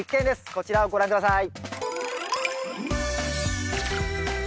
こちらをご覧下さい。